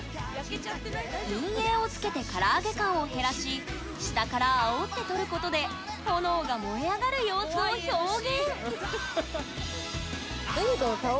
陰影をつけて唐揚げ感を減らし下からあおって撮ることで炎が盛り上がる様子を表現。